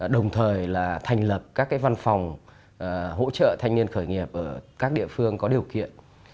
đồng thời là thành lập các cái văn phòng hỗ trợ thanh niên khởi nghiệp ở các địa phương có điều kiện